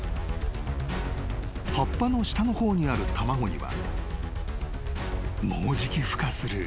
［葉っぱの下の方にある卵にはもうじきふ化するオタマジャクシ］